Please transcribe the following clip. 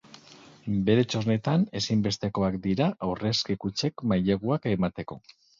Bere txostenak ezinbestekoak dira aurrezki kutxek maileguak emateko.